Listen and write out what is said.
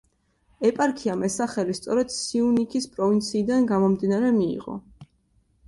ეპარქიამ ეს სახელი სწორედ სიუნიქის პროვინციიდან გამომდინარე მიიღო.